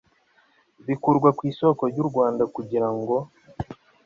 bikurwa ku isoko ry u Rwanda kugira ngo